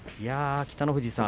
北の富士さん